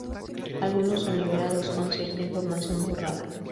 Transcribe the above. Algunos son liberados con cierta información borrada.